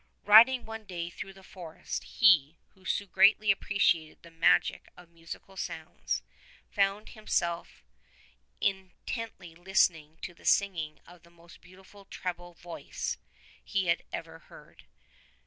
Riding one day through the forest, he, who so greatly appreciated the magic of musical sounds, found himself in tently listening to the singing of the most beautiful treble voice he had ever heard.